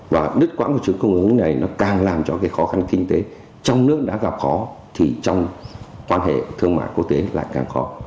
và đứt quãng của chuỗi cung ứng này nó càng làm cho cái khó khăn kinh tế trong nước đã gặp khó thì trong quan hệ thương mại quốc tế là càng khó